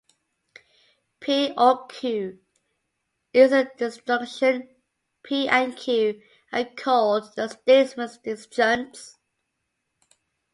"P or Q" is a disjunction; P and Q are called the statement's "disjuncts".